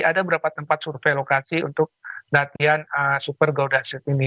ada berapa tempat survei lokasi untuk latihan super garuda shift ini